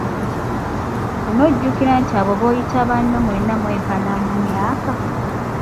Onojjukira nti abo b'oyita banno mwenna mwenkana mu myaka?